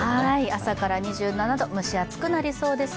朝から２７度蒸し暑くなりそうです。